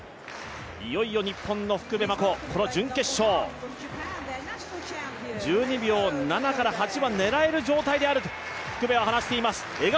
いよいよ日本の福部真子、この準決勝。１２秒７から８は狙える状態であると福部は話しています。